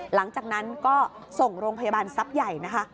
หลังจากนั้นก็ส่งโรงพยาบาลทรัพย์ใหญ่นะคะ